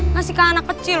ngasih ke anak kecil